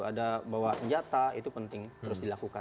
ada bawa senjata itu penting terus dilakukan